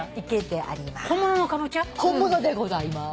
本物でございます。